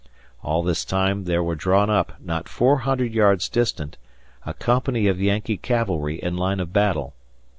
All this time there was drawn up, not four hundred yards distant, a company of Yankee cavalry in line of battle.